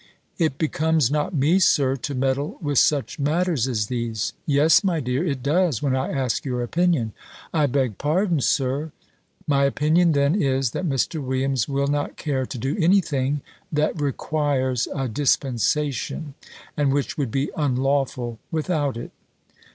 "It becomes not me, Sir, to meddle with such matters as these." "Yes, my dear, it does, when I ask your opinion." "I beg pardon, Sir. My opinion then is, that Mr. Williams will not care to do any thing that requires a dispensation, and which would be unlawful without it."